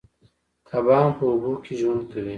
کبان په اوبو کې ژوند کوي